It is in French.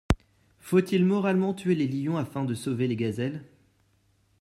Faut-il moralement tuer les lions afin de sauver les gazelles?